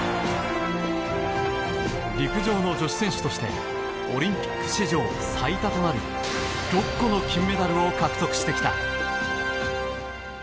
陸上の女子選手としてオリンピック史上最多となる６個の金メダルを獲得してきた。